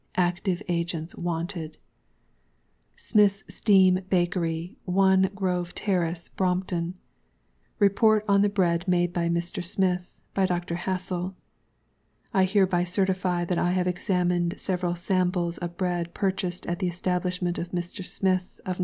ACTIVE AGENTS WANTED. SMITHŌĆÖS STEAM BAKERY, 1, GROVE TERRACE, BROMPTON. Report on the Bread made by Mr. SMITH, by DR. HASSELL. I hereby certify that I have examined several samples of Bread purchased at the Establishment of Mr. SMITH, of No.